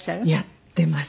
やってます。